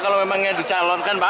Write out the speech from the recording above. kalau memangnya dicalonkan pak